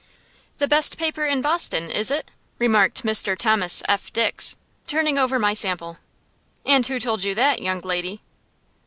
"The best paper in Boston, is it?" remarked Mr. Thomas F. Dix, turning over my sample. "And who told you that, young lady?"